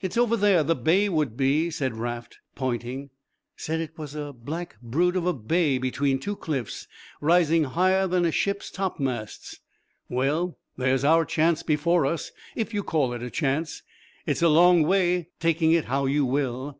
"It's over there the bay would be," said Raft. "Ponting said it was a black brute of a bay between two cliffs rising higher than a ship's top masts. Well, there's our chance before us if you call it a chance. It's a long way, taking it how you will."